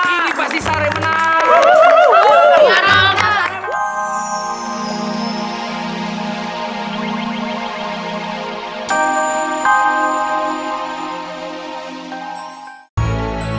ini pasti sarah yang menang